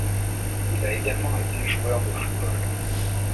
Il a également été joueur de football.